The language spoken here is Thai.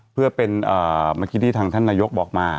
เพื่อเป็นเมื่อกี้ที่ทางท่านนายกบอกมา